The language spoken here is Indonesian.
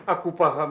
aku yang hebat